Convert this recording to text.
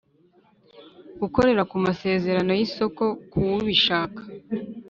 gukorera ku masezerano y’isoko kuwubishaka